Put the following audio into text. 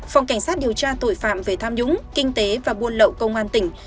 phòng cảnh sát điều tra tội phạm về tham nhũng kinh tế và buôn lậu công an tỉnh